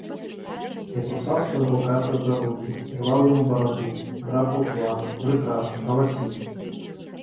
Я кусаў свайго ката за рукі, ірваў яму бараду, драпаў твар, брыкаўся, галасіў.